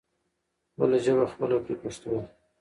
خپله ژبه خپله کړې پښتو ده.